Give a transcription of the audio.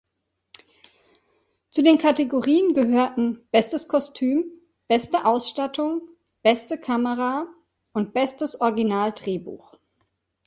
Zu den Kategorien gehörten „Bestes Kostüm“, „Beste Ausstattung“, „Beste Kamera“ und „Bestes Original-Drehbuch“.